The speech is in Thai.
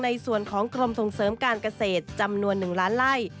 ในส่วนของกรมส่งเสริมการเกษตรจำนวน๑ล้านไล่